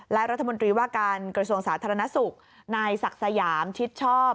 และรัฐมนตรีว่าการกระทรวงสาธารณสุขนายศักดิ์สยามชิดชอบ